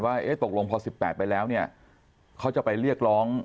ว่าตกลงพอ๑๘ไปแล้วเนี่ยเขาจะไปเรียกร้อง